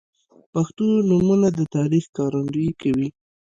• پښتو نومونه د تاریخ ښکارندویي کوي.